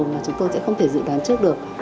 mà chúng tôi sẽ không thể dự đoán trước được